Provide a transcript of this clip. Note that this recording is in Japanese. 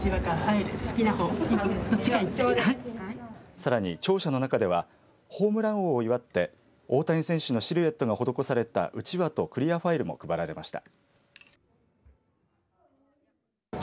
さらに庁舎の中ではホームラン王を祝って大谷選手のシルエットが施されたうちわとクリアファイルも配られました。